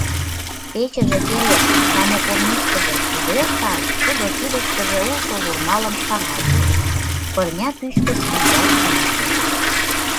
— Печыже — керек, самокормушкыжым кузе ышташ? — тудо кидыштыже улшо журналым шаралтыш, пырня пӱчкыш ӱмбак шинче.